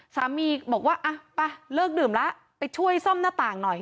สามีบอกว่าอ่ะไปเลิกดื่มแล้วไปช่วยซ่อมหน้าต่างหน่อย